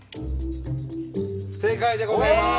正解でございます。